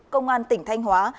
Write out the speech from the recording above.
công an tỉnh thanh hóa